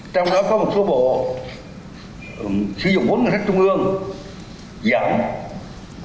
trong đó có một số bộ sử dụng vốn người thân trung ương giảm